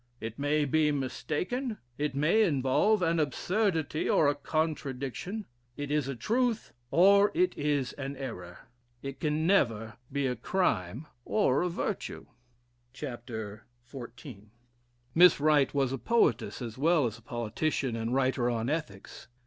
It may be mistaken; it may involve an absurdity, or a contradiction. It is a truth; or it is an error: it can never be a crime or a virtue." [Chapter xiv.] Miss Wright was a poetess, as well as a politician and writer on ethics.